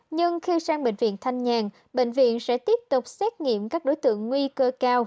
nhưng khi sang bệnh viện thanh nhàn bệnh viện sẽ tiếp tục xét nghiệm các đối tượng nguy cơ cao